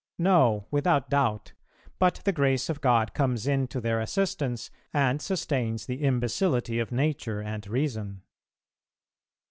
No, without doubt; but the grace of God comes in to their assistance, and sustains the imbecility of Nature and Reason.